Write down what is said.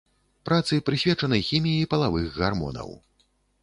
Працы прысвечаны хіміі палавых гармонаў.